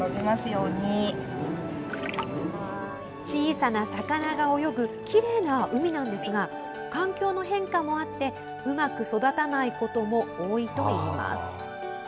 小さな魚が泳ぐきれいな海なんですが環境の変化もあってうまく育たないことも多いといいます。